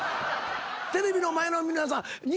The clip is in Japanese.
テレビの前の皆さん。